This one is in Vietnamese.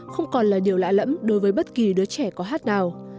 không còn là điều lạ lẫm đối với bất kỳ đứa trẻ có hát nào